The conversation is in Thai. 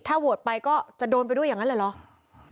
ถ้าโหวตไปก็จะโดนไปด้วยอย่างนั้นหรือ